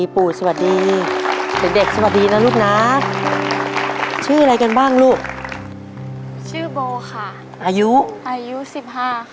ผมชื่อเบิร์ดครับอายุ๑๑ครับ